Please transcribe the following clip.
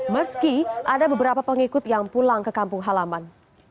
meski ada beberapa pengikut yang pulang ke kampung halaman